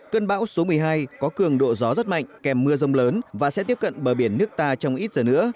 cơn bão số một mươi hai có cường độ gió rất mạnh kèm mưa rông lớn và sẽ tiếp cận bờ biển nước ta trong ít giờ nữa